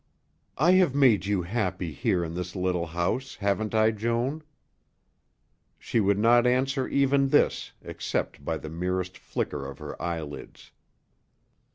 "I have made you happy here in this little house, haven't I, Joan?" She would not answer even this except by the merest flicker of her eyelids.